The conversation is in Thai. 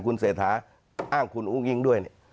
คุณเศรษฐอ้างคุณองิยงด้วย